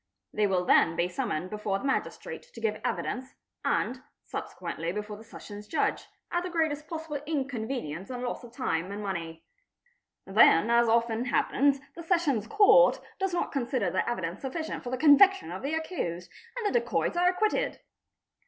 They will then be summoned before the magistrate to give evidence, and subsequently before the Sessions Judge, at the greatest possible inconvenience and loss of time and money. Then, as often happens, the Sessions Court does not consider their evidence sufficient for the conviction of the accused, and the dacoits are acquitted.